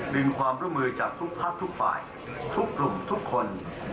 ดึงความร่วมมือจากทุกพักทุกฝ่ายทุกกลุ่มทุกคน